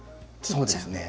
そうですね。